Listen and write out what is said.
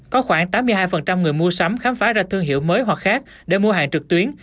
có khoảng tám mươi hai người mua sắm khám phá ra thương hiệu mới hoặc khác để mua hàng trực tuyến